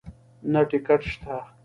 نه ټکټ شته